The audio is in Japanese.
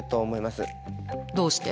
どうして？